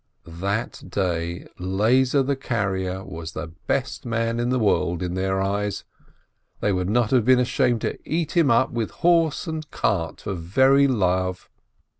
That day Lezer the carrier was the best man in the world in their eyes, they would not have been ashamed to eat him up with horse and cart for very love.